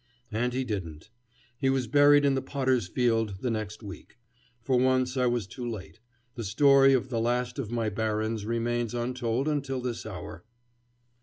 And he didn't. He was buried in the Potter's Field the next week. For once I was too late. The story of the last of my barons remains untold until this hour.